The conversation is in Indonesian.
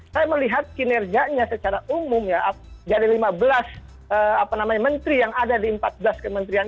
saya melihat kinerjanya secara umum ya dari lima belas apa namanya menteri yang ada di empat belas kementerian